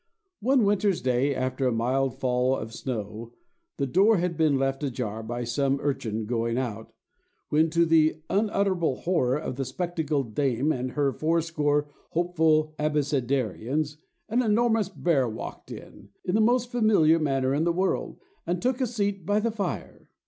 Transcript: One winter's day, after a mild fall of snow, the door had been left ajar by some urchin going out, when to the unutterable horror of the spectacled dame and her fourscore hopeful abecedarians, an enormous bear walked in, in the most familiar manner in the world, and took a seat by the fire.